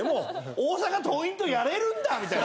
大阪桐蔭とやれるんだみたいな。